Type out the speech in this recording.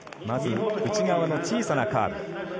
まず内側の小さなカーブ。